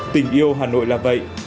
tình yêu hà nội là vậy